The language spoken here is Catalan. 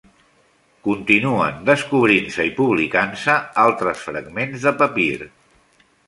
Continuen descobrint-se i publicant-se altres fragments de papir.